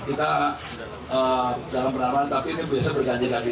kita dalam perampokan tapi ini biasa berganti ganti